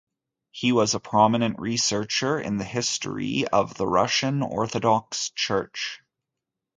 He was a prominent researcher in the history of the Russian Orthodox Church.